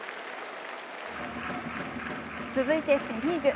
続いてセ・リーグ。